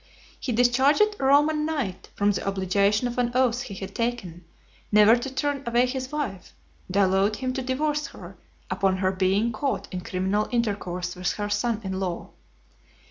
He discharged a Roman knight from the obligation of an oath he had taken, never to turn away his wife; and allowed him to divorce her, upon her being caught in criminal intercourse with her son in law.